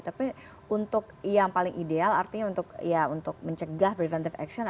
tapi untuk yang paling ideal artinya untuk ya untuk mencegah preventive action